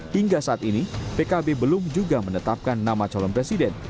hingga saat ini pkb belum juga menetapkan nama calon presiden